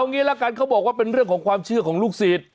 งี้ละกันเขาบอกว่าเป็นเรื่องของความเชื่อของลูกศิษย์